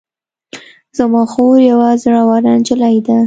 زما خور یوه زړوره نجلۍ ده